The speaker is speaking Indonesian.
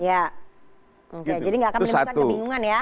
jadi gak akan menyebabkan kebingungan ya